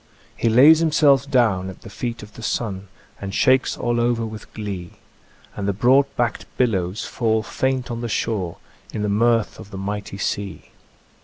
He lays himself down at the feet of the sun, And shakes all over with glee, And the broad backed billows fall faint on the shore In the mirth of the mighty sea.